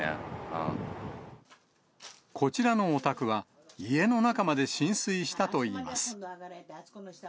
こちらのお宅は、家の中まで浸水したといいます。